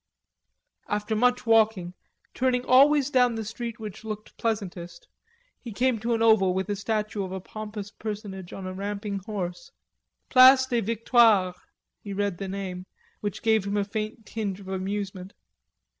After much walking, turning always down the street which looked pleasantest, he came to an oval with a statue of a pompous personage on a ramping horse. "Place des Victoires," he read the name, which gave him a faint tinge of amusement.